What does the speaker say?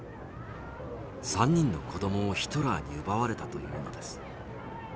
３人の子どもをヒトラーに奪われたというのです。